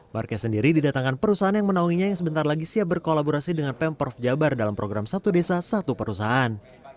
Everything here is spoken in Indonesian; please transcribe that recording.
marquez sendiri didatangkan perusahaan yang menaunginya yang sebentar lagi siap berkolaborasi dengan pemprov jabar dalam program satu desa satu perusahaan